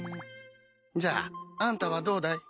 じゃああんたはどうだい？